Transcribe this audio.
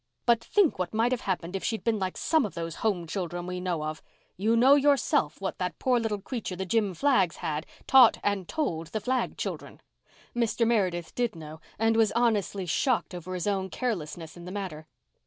But think what might have happened if she'd been like some of those home children we know of. You know yourself what that poor little creature the Jim Flaggs' had, taught and told the Flagg children." Mr. Meredith did know and was honestly shocked over his own carelessness in the matter.